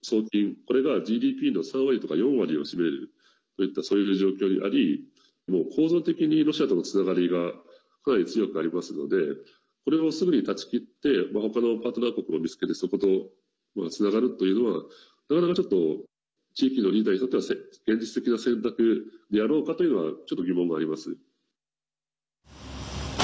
これがＧＤＰの３割とか４割を占めるといったそういう状況にあり構造的にロシアとのつながりがかなり強くありますのでこれをすぐに断ち切って他のパートナー国を見つけてそことつながるというのはなかなか、ちょっと地域のリーダーにとっては現実的な選択であろうかというのはちょっと疑問があります。